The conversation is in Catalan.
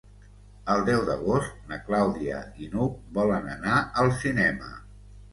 El deu d'agost na Clàudia i n'Hug volen anar al cinema.